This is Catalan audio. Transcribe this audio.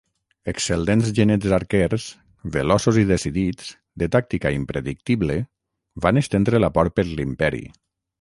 Excel·lents genets arquers, veloços i decidits, de tàctica impredictible, van estendre la por per l'imperi.